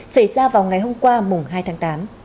xảy ra vào ngày hôm qua mùng hai tháng tám